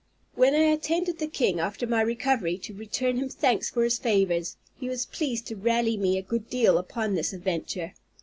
When I attended the king after my recovery, to return him thanks for his favors, he was pleased to rally me a good deal upon this adventure.